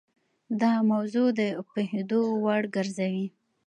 دا موضوع د پوهېدو وړ ګرځوي.